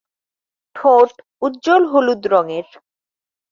ঠোঁট উজ্জ্বল হলুদ রঙের।